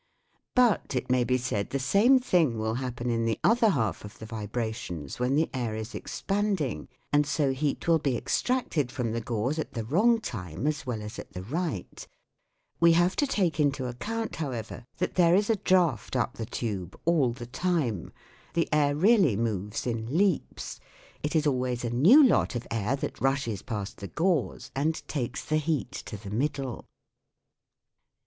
But, it may be said, the same thing will SOUNDS OF THE TOWN 97 happen in the other half of the vibrations when the air is expanding, and so heat will be extracted from the gauze at the wrong time as well as at the right. We have to take into account, however, that there is a draught up the tube all the time ; the air really moves in leaps : it is always a new lot of air that rushes past the gauze and takes the heat to the middle.